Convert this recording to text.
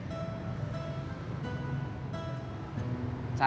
dia perempuan hebat